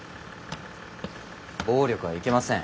暴力はいけません。